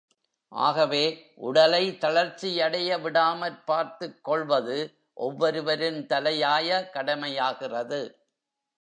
ஆகவே, உடலை தளர்ச்சியடைய விடாமற்பார்த்துக் கொள்வது ஒவ்வொருவரின் தலையாய கடமையாகிறது.